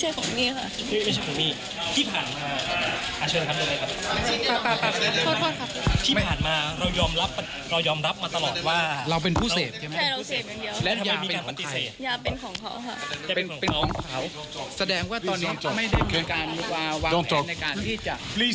เรายอมรับตลอดว่าเราเป็นผู้เสพใช่ไหม